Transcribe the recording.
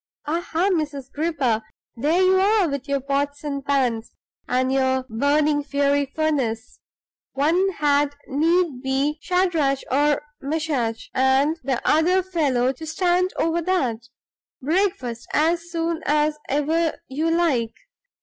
"Aha, Mrs. Gripper, there you are with your pots and pans, and your burning fiery furnace! One had need be Shadrach, Meshach, and the other fellow to stand over that. Breakfast as soon as ever you like.